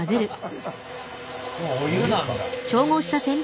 お湯なんだ。